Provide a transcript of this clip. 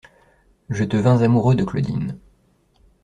Je devins amoureux de Claudine.